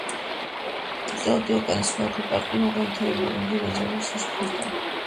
ტეოტიუაკანის არქეოლოგიური პარკი განვითარებიდან მომდინარე ზემოქმედების საფრთხის ქვეშ დგას.